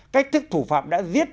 cách thức thủ phạm đã giết